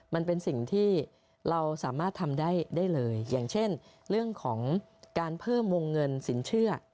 มันเป็นสิ่งที่เราสามารถทำได้เลยอย่างเช่นเรื่องของการเพิ่มวงเงินสินเชื่อ